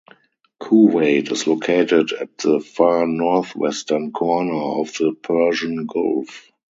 Kuwait is located at the far northwestern corner of the Persian Gulf.